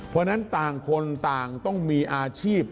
เพราะฉะนั้นต่างคนต่างต้องมีอาชีพ